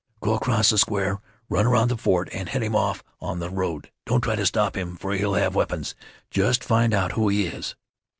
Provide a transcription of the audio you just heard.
"Go across the square, run around the fort, an' head him off on the road. Don't try to stop him for he'll have weapons, just find out who he is."